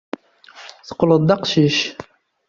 Teqqleḍ d aqcic.